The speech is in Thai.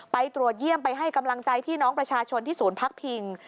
ไปตรวจเยี่ยมไปให้กำลังใจพี่น้องประชาชนที่ศูนย์พักพิง